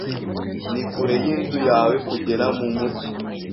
Ni kure y'inzu yawe kugera mu mujyi?